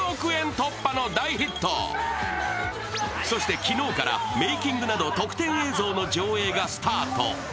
そして昨日から、メイキングなど特典映像の上映がスタート。